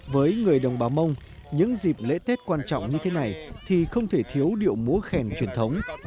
với người đồng bào mông những dịp lễ tết quan trọng như thế này thì không thể thiếu điệu múa khen truyền thống